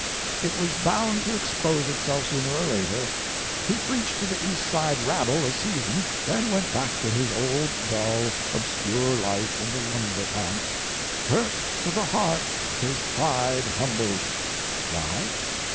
It was bound to expose itself sooner or later. He preached to the East Side rabble a season, then went back to his old dull, obscure life in the lumber camps "hurt to the heart, his pride humbled." Why?